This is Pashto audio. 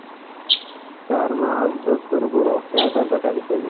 چارمغز د سترګو روغتیا ته ګټه رسوي.